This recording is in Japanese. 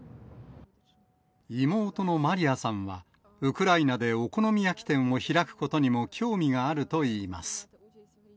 妹のマリアさんは、ウクライナでお好み焼き店を開くことにも興味があるといいます。